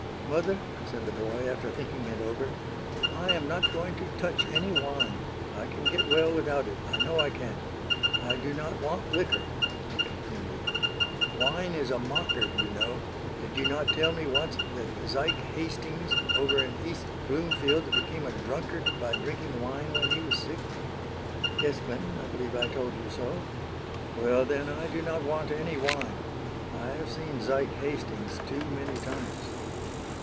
"Mother," said the boy, after thinking it over, "I am not going to touch any wine. I can get well without it, I know I can. I do not want liquor," he continued. "'Wine is a mocker,' you know. Did you not tell me once that Zike Hastings, over in East Bloomfield, became a drunkard by drinking wine when he was sick?" "Yes, Clinton, I believe I told you so." "Well, then, I do not want any wine. I have seen Zike Hastings too many times."